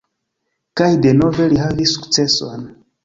Kaj denove li havis sukceson.